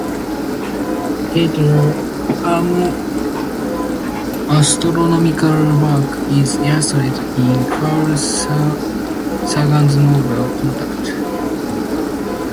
Tarter's astronomical work is illustrated in Carl Sagan's novel "Contact".